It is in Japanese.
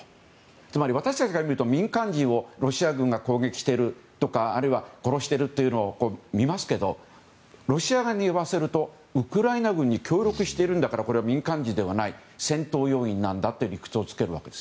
つまり、私たちから見ると民間人をロシア軍が攻撃してる殺しているというのを見ますけどロシア側にいわせるとウクライナ軍に協力してるんだから民間人ではない戦闘要員なんだという理屈をつけるわけです。